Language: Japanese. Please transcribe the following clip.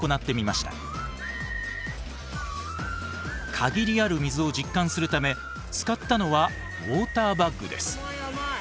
限りある水を実感するため使ったのはウォーターバッグです。